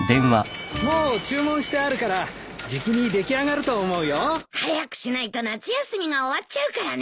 もう注文してあるからじきに出来上がると思うよ。早くしないと夏休みが終わっちゃうからね。